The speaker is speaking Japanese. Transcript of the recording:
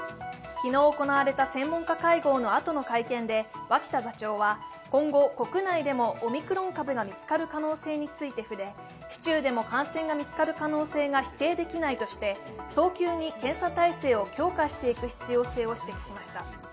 昨日行われた専門家会合の後の会見で今後、国内でもオミクロン株が見つかる可能性について触れ市中でも感染が見つかる可能性が否定できないとして早急に検査体制を強化していく必要性を指摘しました。